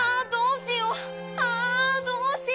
あどうしよう！